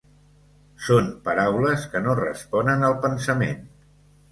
Són paraules que no responen al pensament.